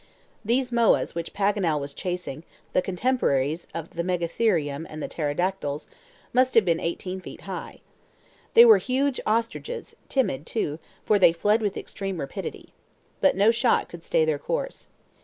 These moas which Paganel was chasing, the contemporaries of the Megatherium and the Pterodactyles, must have been eighteen feet high. They were huge ostriches, timid too, for they fled with extreme rapidity. But no shot could stay their course.